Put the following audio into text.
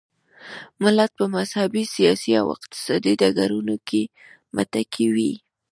ملت په مذهبي، سیاسي او اقتصادي ډګرونو کې متکي وي.